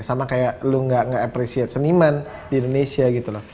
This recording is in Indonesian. sama kayak lo nggak nge appreciate seniman di indonesia